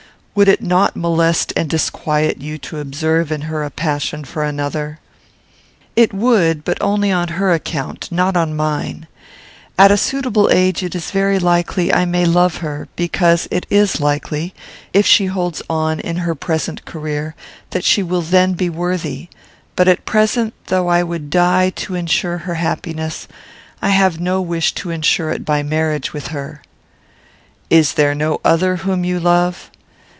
Would it not molest and disquiet you to observe in her a passion for another?" "It would, but only on her own account; not on mine. At a suitable age it is very likely I may love her, because it is likely, if she holds on in her present career, she will then be worthy; but at present, though I would die to insure her happiness, I have no wish to insure it by marriage with her." "Is there no other whom you love?"